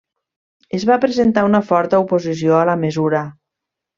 Es va presentar una forta oposició a la mesura.